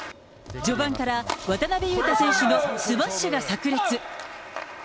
序盤から渡辺勇大選手のスマッシュが炸裂。